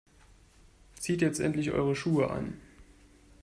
Zieht jetzt endlich eure Schuhe an.